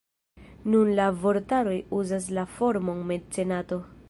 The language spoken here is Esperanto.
Nun la vortaroj uzas la formon mecenato.